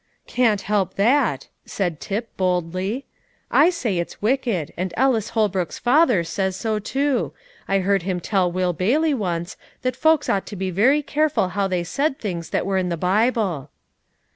"Can't help that," said Tip boldly; "I say it's wicked, and Ellis Holbrook's father says so too. I heard him tell Will Bailey once that folks ought to be very careful how they said things that were in the Bible.'